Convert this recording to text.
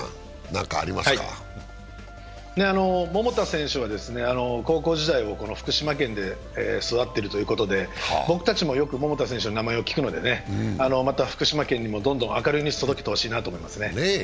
桃田選手は高校時代を福島県で育ってるということで、僕たちもよく桃田選手の名前を聞くので、また福島県にもどんどん明るいニュースを届けてほしいなと思いますね。